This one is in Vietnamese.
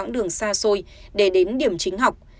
quãng đường xa xôi để đến điểm chính học